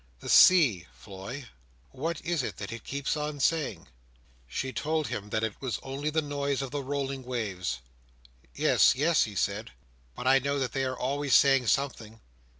"The sea" Floy, what is it that it keeps on saying?" She told him that it was only the noise of the rolling waves. "Yes, yes," he said. "But I know that they are always saying something.